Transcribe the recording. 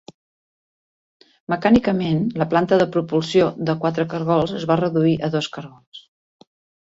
Mecànicament, la planta de propulsió de quatre cargols es va reduir a dos cargols.